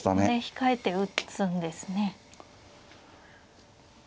控えて打つんですね。